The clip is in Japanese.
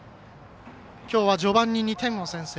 きょうは序盤に２点を先制。